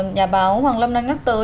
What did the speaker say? nhà báo hoàng lâm đã nhắc tới